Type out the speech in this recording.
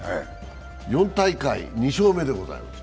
四大大会２勝目でございます。